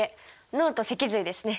脳と脊髄ですね。